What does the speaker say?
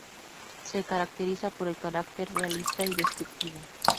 Se caracteriza por el carácter realista y descriptivo.